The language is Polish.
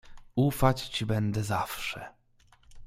"Ufać ci będę zawsze."